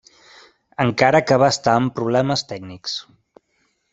Encara que va estar amb problemes tècnics.